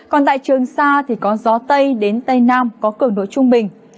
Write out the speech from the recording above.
còn tại trường sa thì có gió tây đến tây nam có cường độ trung bình